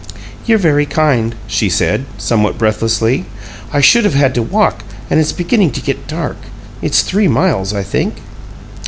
"You're very kind," she said, somewhat breathlessly. "I should have had to walk, and it's beginning to get dark. It's three miles, I think."